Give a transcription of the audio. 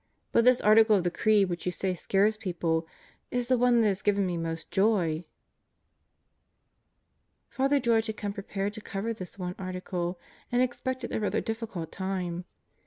But this Article of the Creed, which you say scares people, is the one that has given me most joy." Father George had come prepared to cover this one Article and expected a rather difficult time.